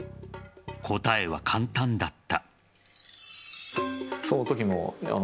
答えは簡単だった。